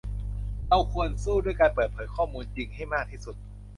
เราควรสู้ด้วยการเปิดเผยข้อมูลจริงให้มากที่สุด